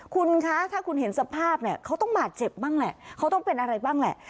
คุณคะถ้าคุณเห็นสภาพเนี่ยเขาต้องบาดเจ็บบ้างแหละเขาต้องเป็นอะไรบ้างแหละ